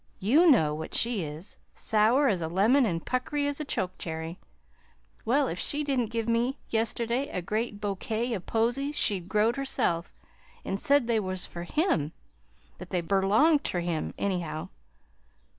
YOU know what she is sour as a lemon an' puckery as a chokecherry. Well, if she didn't give me yesterday a great bo kay o' posies she'd growed herself, an' said they was fur him that they berlonged ter him, anyhow.